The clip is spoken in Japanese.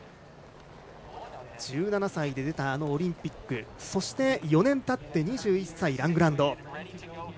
１７歳で出たオリンピックそして、４年たって２１歳ラングランド。